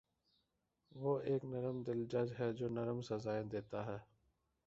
وہ ایک نرم دل جج ہے جو نرم سزایئں دیتا `ہے